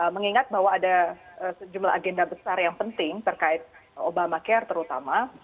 mengingat bahwa ada sejumlah agenda besar yang penting terkait obama care terutama